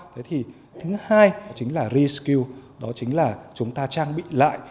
thứ hai chính là reskill đó chính là chúng ta trang bị lại